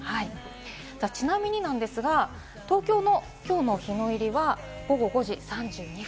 ちなみになんですが、東京のきょうの日の入りは午後５時３２分。